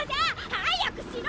早くしろ！